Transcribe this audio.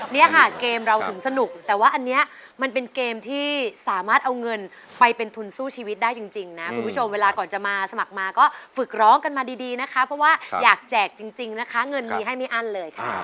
เนี่ยค่ะเกมเราถึงสนุกแต่ว่าอันนี้มันเป็นเกมที่สามารถเอาเงินไปเป็นทุนสู้ชีวิตได้จริงนะคุณผู้ชมเวลาก่อนจะมาสมัครมาก็ฝึกร้องกันมาดีนะคะเพราะว่าอยากแจกจริงนะคะเงินมีให้ไม่อั้นเลยค่ะ